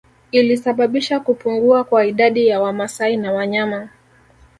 Ilisababisha kupungua kwa idadi ya Wamasai na wanyama